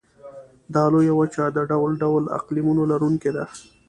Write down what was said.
دا لویه وچه د ډول ډول اقلیمونو لرونکې ده.